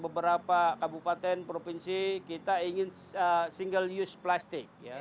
beberapa kabupaten provinsi kita ingin single use plastic ya